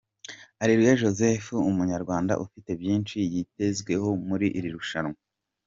Areruya Joseph umunyarwanda ufite byinshi yitezweho muri iri rushanwa.